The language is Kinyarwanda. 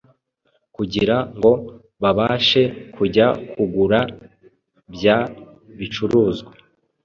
kugira ngo babashe kujya kugura bya bicuruzwa